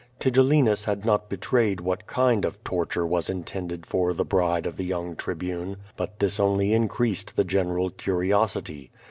Tigellinus had not betitiyed what kind of torture was intended for the bride of the young Tribune. But this only increased the general curiosity.